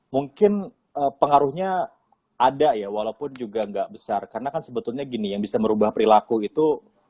mungkin pengaruhnya ada ya walaupun juga nggak besar karena kan sebetulnya gini yang bisa merubah perilaku itu